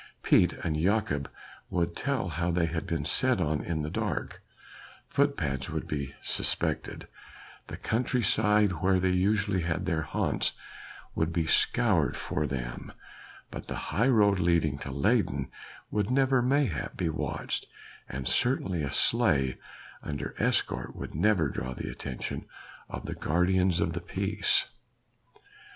Piet and Jakob would tell how they had been set on in the dark footpads would be suspected, the countryside where they usually have their haunts would be scoured for them, but the high road leading to Leyden would never mayhap be watched, and certainly a sleigh under escort would never draw the attention of the guardians of the peace.